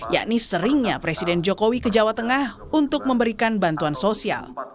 yakni seringnya presiden jokowi ke jawa tengah untuk memberikan bantuan sosial